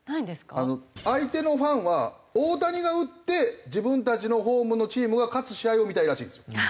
相手のファンは大谷が打って自分たちのホームのチームが勝つ試合を見たいらしいんですよ。